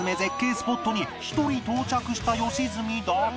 スポットに一人到着した良純だが